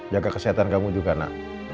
jaga kesehatan kamu juga nak